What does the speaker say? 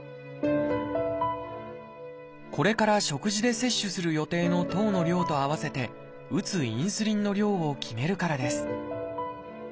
これから食事で摂取する予定の糖の量と合わせて打つインスリンの量を決めるからです。